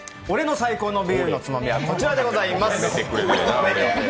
俺の最高のビールのつまみはこちらでございます。